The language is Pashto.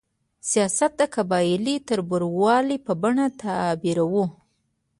سیاست د قبایلي تربورولۍ په بڼه تعبیروو.